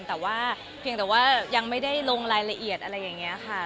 แต่ว่าเพียงแต่ว่ายังไม่ได้ลงรายละเอียดอะไรอย่างนี้ค่ะ